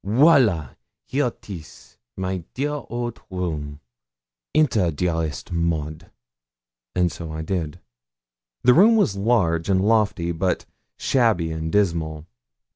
'Viola! here 'tis, my dear old room. Enter, dearest Maud.' And so I did. The room was large and lofty, but shabby and dismal.